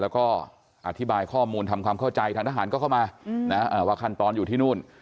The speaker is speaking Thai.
แล้วก็อธิบายข้อมูลทำความเข้าใจทางทหารก็เข้ามาว่าขั้นตอนอยู่ที่นู่น